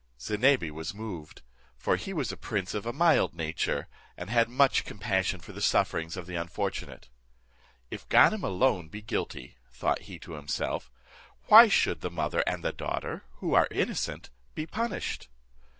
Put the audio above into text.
Zinebi was moved; for he was a prince of a mild nature, and had much compassion for the sufferings of the unfortunate. "If Ganem alone be guilty," thought he to himself, "why should the mother and the daughter, who are innocent, be punished?